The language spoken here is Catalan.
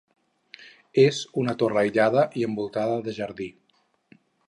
És una torre aïllada i envoltada per jardí.